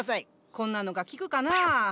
こんなのが効くかな。